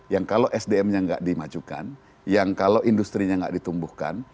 yang kalau sdm nya nggak dimajukan yang kalau industri nya nggak ditumbuhkan